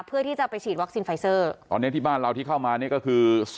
เพื่อที่จะไปฉีดวัคซีนไฟเซอร์ตอนนี้ที่บ้านเราที่เข้ามานี่ก็คือ